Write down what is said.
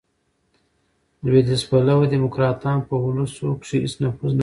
لوېدیځ پلوه ډیموکراټان، په اولسو کښي هیڅ نفوذ نه لري.